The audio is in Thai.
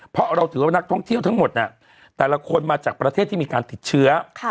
เพราะเราถือว่านักท่องเที่ยวทั้งหมดแต่ละคนมาจากประเทศที่มีการติดเชื้อ